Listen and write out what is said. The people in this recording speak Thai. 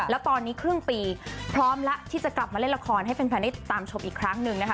แล้วตอนนี้ครึ่งปีพร้อมแล้วที่จะกลับมาเล่นละครให้แฟนได้ตามชมอีกครั้งหนึ่งนะคะ